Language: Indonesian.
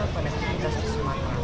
konektivitas di sumatera